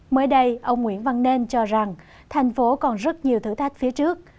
mới đây ông nguyễn văn nên cho rằng thành phố còn rất nhiều thử thách phía trước